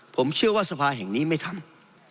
ผมเชื่อว่าสภาแห่งนี้ไม่ทำ